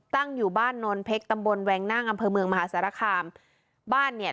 ตั้งอยู่บ้านนอนเพ็กตำบลแวงหน้าอำเภอเมืองมาหาศาลคลามบ้านเนี้ย